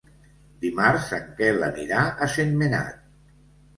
Dimarts en Quel anirà a Sentmenat.